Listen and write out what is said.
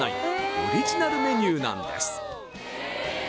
オリジナルメニューなんです